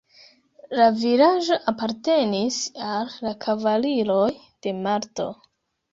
La vilaĝo apartenis al la kavaliroj de Malto.